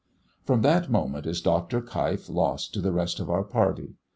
From that moment is Dr. Keif lost to the rest of our party.